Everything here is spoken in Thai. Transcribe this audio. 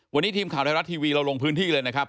วันนี้ทีมข่าวไทยรัฐทีวีเราลงพื้นที่เลยนะครับ